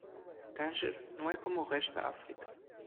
Tânger não é como o resto da África.